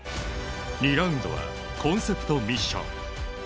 ２ラウンドはコンセプトミッション。